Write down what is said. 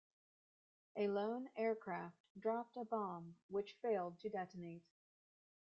A lone aircraft dropped a bomb, which failed to detonate.